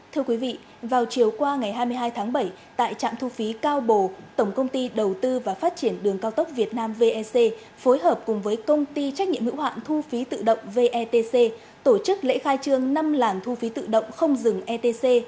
thưa quý vị vào chiều qua ngày hai mươi hai tháng bảy tại trạm thu phí cao bồ tổng công ty đầu tư và phát triển đường cao tốc việt nam vec phối hợp cùng với công ty trách nhiệm hữu hạn thu phí tự động vetc tổ chức lễ khai trương năm làn thu phí tự động không dừng etc